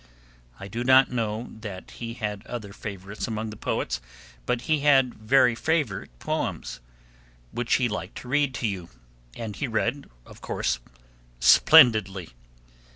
I do not know that he had other favorites among the poets, but he had favorite poems which he liked to read to you, and he read, of course, splendidly.